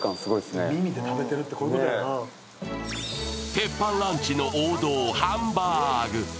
鉄板ランチの王道ハンバーグ。